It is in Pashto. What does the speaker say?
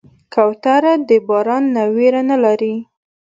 کوتره د باران نه ویره نه لري.